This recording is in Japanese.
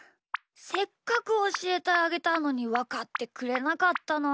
せっかくおしえてあげたのにわかってくれなかったなあ。